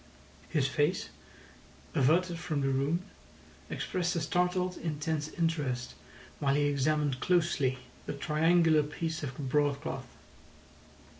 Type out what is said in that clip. His face, averted from the room, expressed a startled intense interest while he examined closely the triangular piece of broad cloth.